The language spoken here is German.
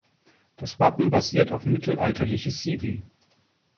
Das Wappen basiert auf mittelalterliche Siegel.